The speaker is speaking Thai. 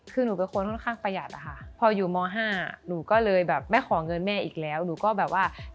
คือหนูเป็นคนค่อนข้างประหยัดอะค่ะพออยู่ม๕หนูก็เลยแบบไม่ขอเงินแม่อีกแล้วหนูก็แบบว่า